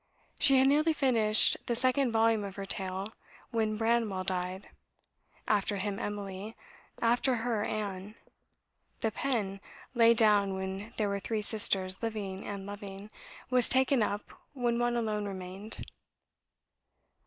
She had nearly finished the second volume of her tale when Branwell died, after him Emily, after her Anne; the pen, laid down when there were three sisters living and loving, was taken up when one alone remained.